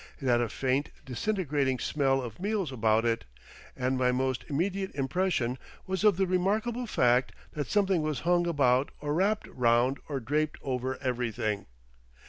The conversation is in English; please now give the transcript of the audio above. It had a faint, disintegrating smell of meals about it, and my most immediate impression was of the remarkable fact that something was hung about or wrapped round or draped over everything.